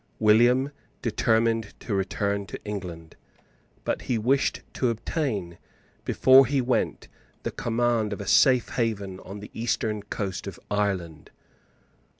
William determined to return to England; but he wished to obtain, before he went, the command of a safe haven on the eastern coast of Ireland.